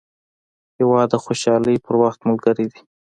هېواد د خوشحالۍ په وخت ملګری دی.